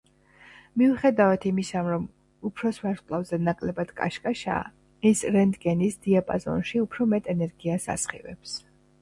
მიუხედავად იმისა, რომ უფროს ვარსკვლავზე ნაკლებად კაშკაშაა, ის რენტგენის დიაპაზონში უფრო მეტ ენერგიას ასხივებს.